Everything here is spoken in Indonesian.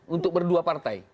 untuk berdua partai